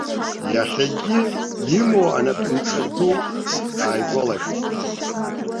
Иахьагьы имоу анапынҵа ду ааигәалашәеит.